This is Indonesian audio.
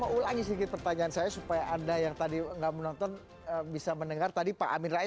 ustaz yuda kami akan segera kembali